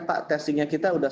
pak testingnya kita sudah